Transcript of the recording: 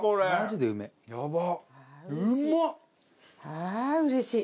ああーうれしい！